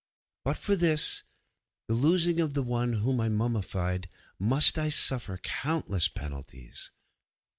'_But for this, the losing of the one whom I mummied, must I suffer countless penalties.